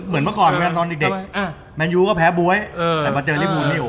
เหมือนเมื่อก่อนเวลาตอนเด็กแมนยูก็แพ้บ๊วยแต่มาเจอลิฟูนิว